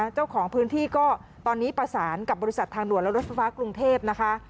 เจ้าของพื้นที่ก็ตอนนี้ประสานกับบริษัททางด่วนและรถไฟฟ้ากรุงเทพนะคะ